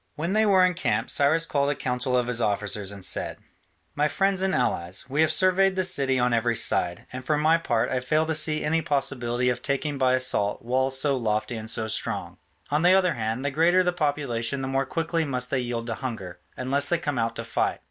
When they were encamped, Cyrus called a council of his officers and said, "My friends and allies, we have surveyed the city on every side, and for my part I fail to see any possibility of taking by assault walls so lofty and so strong: on the other hand, the greater the population the more quickly must they yield to hunger, unless they come out to fight.